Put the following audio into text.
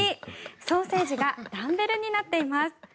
ソーセージがダンベルになっています。